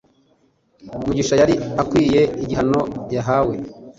mugisha yari akwiye igihano yahawe